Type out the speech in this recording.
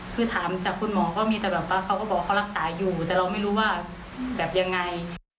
คือถามจากคุณหมอก็มีแต่แบบว่าเขาก็บอกว่าเขารักษาอยู่แต่เราไม่รู้ว่าแบบยังไง